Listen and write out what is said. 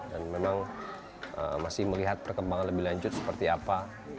dan memang masih melihat perkembangan lebih lanjut seperti apa